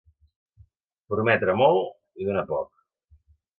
Prometre molt i donar poc.